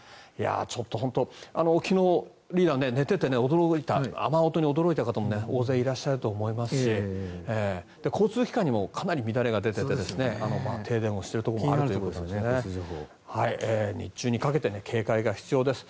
ちょっと本当に、昨日リーダー、寝ていて驚いた雨音に驚いた方も大勢いらっしゃると思いますし交通機関にもかなり乱れが出ていて停電をしているところもあるということで日中にかけて警戒が必要です。